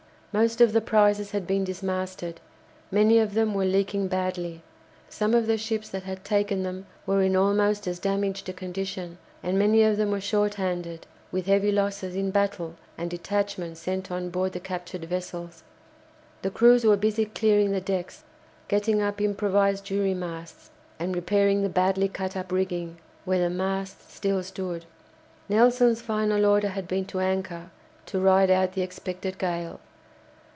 Most of the prizes had been dismasted; many of them were leaking badly; some of the ships that had taken them were in almost as damaged a condition, and many of them were short handed, with heavy losses in battle and detachments sent on board the captured vessels. The crews were busy clearing the decks, getting up improvised jury masts, and repairing the badly cut up rigging, where the masts still stood. Nelson's final order had been to anchor to ride out the expected gale.